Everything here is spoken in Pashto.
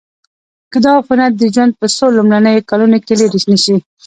که دا عفونت د ژوند په څو لومړنیو کلونو کې لیرې نشي.